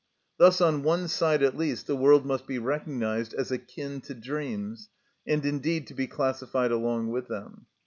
Thus on one side at least the world must be recognised as akin to dreams, and indeed to be classified along with them.